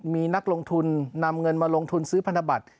มีนักลงทุนนำเงินมาลงทุนซื้อพันธบัตร